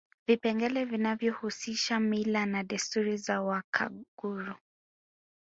Vipengele vinavyohusisha mila na desturi za Wakaguru